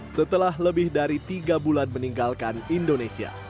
setelah lebih dari tiga bulan meninggalkan indonesia